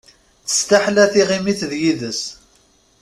Testaḥla tiɣimit d yid-s.